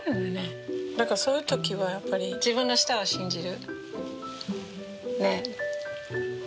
そういう時はやっぱり自分の舌を信じる。